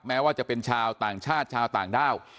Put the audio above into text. แม้ว่าจะเป็นชาวต่างชาติชาวต่างด้าว